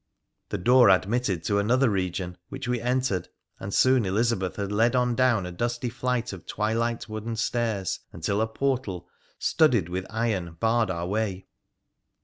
This door admitted to another region, which wo entered, and soon Elizabeth led on down a dusty flight of twilight wooden stairs, until a portal studded with iron barred our way.